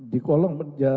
di kolong meja